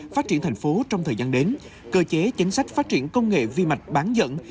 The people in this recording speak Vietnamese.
phát triển thành phố trong thời gian đến cơ chế chính sách phát triển công nghệ vi mạch bán dẫn